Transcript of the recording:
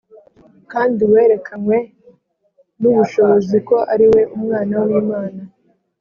kandi werekanywe n’ubushobozi ko ari Umwana w’Imana